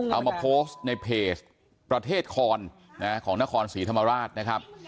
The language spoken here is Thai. เอามาโพสต์ในเพจประเทศคอนของนครศรีธรรมราชนะครับ